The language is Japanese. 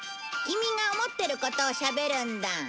キミが思ってることをしゃべるんだ。